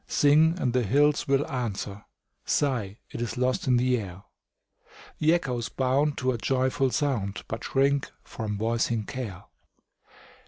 Sing, and the hills will answer; Sigh, it is lost on the air; The echoes bound to a joyful sound, But shrink from voicing care.